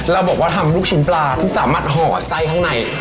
เราบอกว่าทำลูกชิ้นปลาที่สามารถห่อไส้ข้างใน